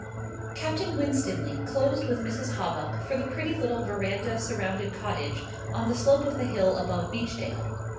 Captain Winstanley closed with Mrs. Hawbuck for the pretty little verandah surrounded cottage on the slope of the hill above Beechdale.